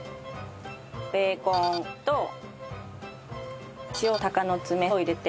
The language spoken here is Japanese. ベーコンと塩鷹の爪を入れて。